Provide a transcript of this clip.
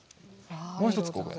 もう一つここに。